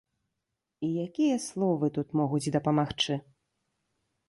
І якія словы тут могуць дапамагчы?